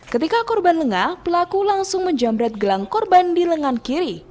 ketika korban lengah pelaku langsung menjamret gelang korban di lengan kiri